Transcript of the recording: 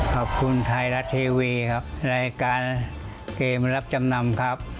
ขอบคุณไทยรัฐทีวีครับรายการเกมรับจำนำครับ